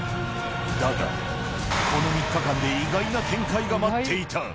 だが、この３日間で意外な展開が待っていた。